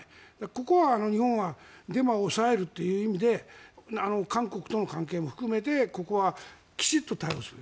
ここは日本はデマを抑えるという意味で韓国との関係も含めてここはきちんと対応する。